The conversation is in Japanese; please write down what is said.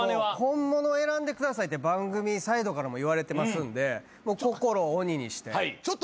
本物選んでくださいって番組サイドからも言われてますんで心を鬼にして。